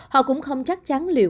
họ cũng không chắc chắn liệu